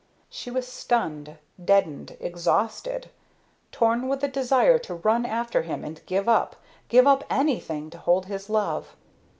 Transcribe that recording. She was stunned, deadened, exhausted; torn with a desire to run after him and give up give up anything to hold his love.